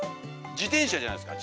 自転車じゃないですか？